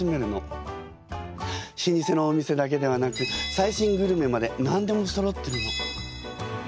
老舗のお店だけではなく最新グルメまで何でもそろってるの。